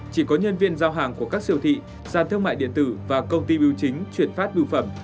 chỉ có nhân viên giao hàng của các siêu thị sàn thương mại điện tử và công ty biểu chính chuyển phát biêu phẩm